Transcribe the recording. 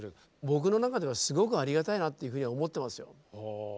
僕の中ではすごくありがたいなっていうふうには思ってますよ。